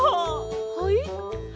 はい？